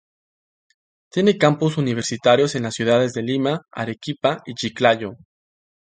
Tiene campus universitarios en las ciudades de Lima, Arequipa y Chiclayo.